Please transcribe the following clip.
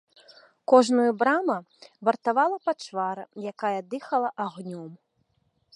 Кожную брама вартавала пачвара, якая дыхала агнём.